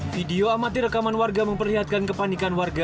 video amatir rekaman warga memperlihatkan kepanikan warga